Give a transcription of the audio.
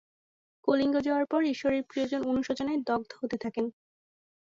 কলিঙ্গ জয়ের পরে ঈশ্বরের প্রিয়জন অনুশোচনায় দগ্ধ হতে থাকেন।